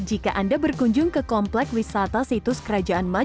jika anda berkunjung ke komplek wisata situs kerajaan majapa